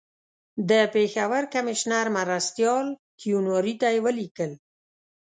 د پېښور کمیشنر مرستیال کیوناري ته یې ولیکل.